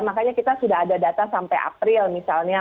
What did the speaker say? makanya kita sudah ada data sampai april misalnya